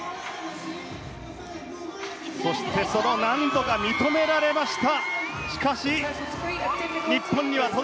そしてその難度が認められました！